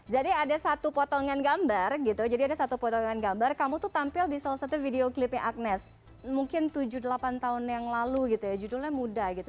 jadi ada satu potongan gambar gitu jadi ada satu potongan gambar kamu tuh tampil di salah satu video klipnya agnez mungkin tujuh delapan tahun yang lalu gitu ya judulnya muda gitu